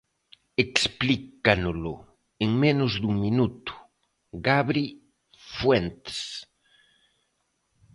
Explícanolo, en menos dun minuto, Gabri Fuentes.